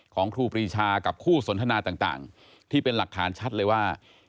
ครูปรีชากับคู่สนทนาต่างที่เป็นหลักฐานชัดเลยว่า